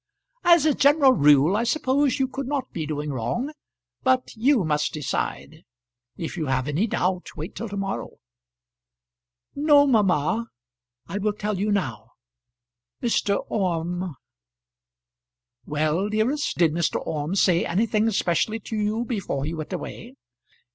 "As a general rule I suppose you could not be doing wrong; but you must decide. If you have any doubt, wait till to morrow." "No, mamma; I will tell you now. Mr. Orme " "Well, dearest. Did Mr. Orme say anything specially to you before he went away?"